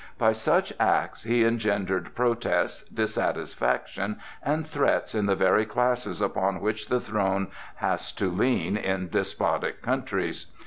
By such acts he engendered protests, dissatisfaction, and threats in the very classes upon which the throne has to lean in despotic countries.